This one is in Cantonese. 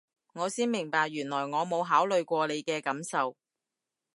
我先明白原來我冇考慮過你嘅感受